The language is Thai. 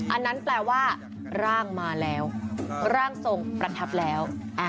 อันนั้นแปลว่าร่างมาแล้วร่างทรงประทับแล้ว